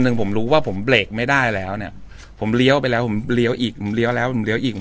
จริงแล้วถ้าไม่แต่งงานก็แปลว่าจะกลับไปแบบนี้เรื่อยก่อน